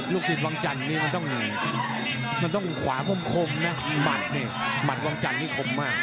ลูกศิษย์วังจันทร์นี่มันต้องขวาคมนะหมัดเนี่ยหมัดวังจันทร์นี่คมมาก